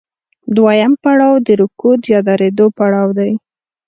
دویم پړاو د رکود یا درېدو پړاو دی